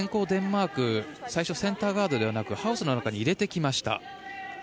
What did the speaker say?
デンマーク最初センターガードではなくハウスの中に入れてきました。